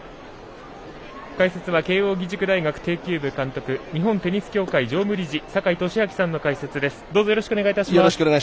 解説は慶應義塾大学庭球部監督日本テニス協会常務理事坂井利彰さんの解説です。